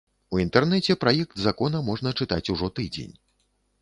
У інтэрнэце праект закона можна чытаць ужо тыдзень.